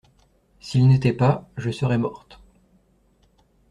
S'il n'était pas, je serais morte.